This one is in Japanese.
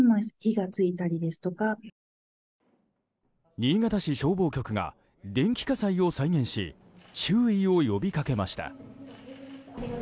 新潟市消防局が電気火災を再現し注意を呼びかけました。